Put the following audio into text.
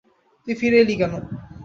তুই ফিরে এলি কেন?